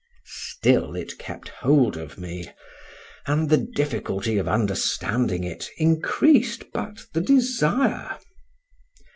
—Still it kept hold of me; and the difficulty of understanding it increased but the desire.